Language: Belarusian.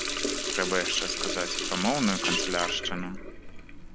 Трэба яшчэ сказаць і пра моўную канцыляршчыну.